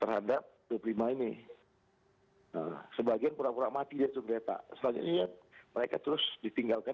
terhadap deprima ini sebagian pura pura mati di atas kereta selanjutnya mereka terus ditinggalkan